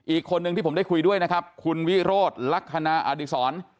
อีกคนนึงที่ผมได้คุยด้วยนะครับคุณวิโรธลักษณะอดีศร